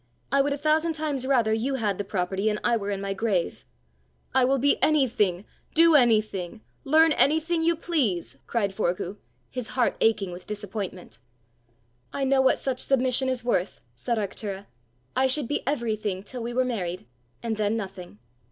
I would a thousand times rather you had the property and I were in my grave!" "I will be anything, do anything, learn anything you please!" cried Forgue, his heart aching with disappointment. "I know what such submission is worth!" said Arctura. "I should be everything till we were married, and then nothing!